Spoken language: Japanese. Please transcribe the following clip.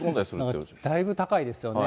だいぶ高いですよね。